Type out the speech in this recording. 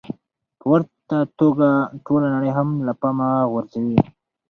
په ورته توګه ټوله نړۍ هم له پامه غورځوي.